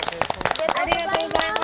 ありがとうございます！